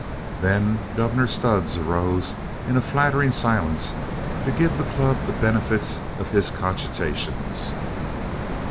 Then "Gov'nor" Sudds arose in a flattering silence to give the Club the benefit of his cogitations.